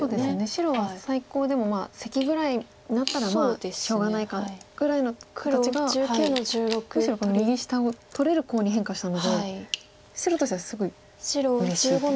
白は最高でもセキぐらいになったらまあしょうがないかぐらいの形がむしろ右下を取れるコウに変化したので白としてはすごいうれしい展開。